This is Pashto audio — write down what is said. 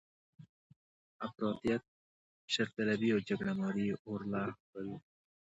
د افراطیت، شرطلبۍ او جګړه مارۍ اور لا هم بل و.